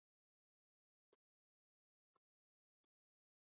La Neuville-Housset